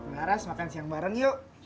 laras makan siang bareng yuk